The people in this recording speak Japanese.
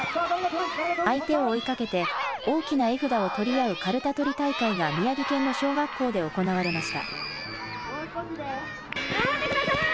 相手を追いかけて、大きな絵札を取り合うカルタ取り大会が宮城県の小学校で行われました。